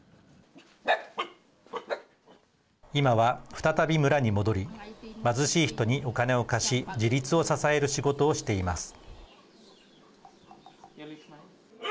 今は、再び村に戻り貧しい人にお金を貸し自立を支える仕事をしています。